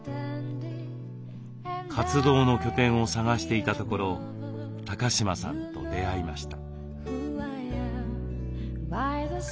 活動の拠点を探していたところ高島さんと出会いました。